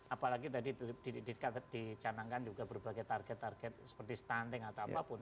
apalagi tadi di catat di canangkan juga berbagai target target seperti stunting atau apapun